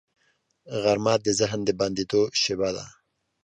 غرمه د ذهن د بندېدو شیبه ده